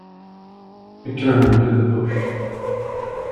He turned to the bush.